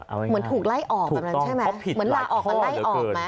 เหมือนถูกไล่ออกแบบนั้นใช่ไหมเพราะผิดหลายข้อเหลือเกิน